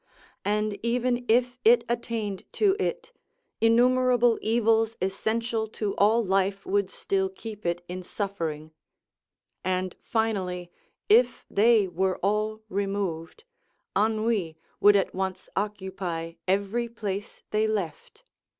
And even if it attained to it, innumerable evils essential to all life would still keep it in suffering; and finally, if they were all removed, ennui would at once occupy every place they left.